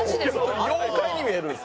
妖怪に見えるんです。